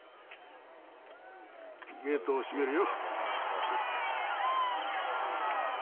ゲートを閉めるよ。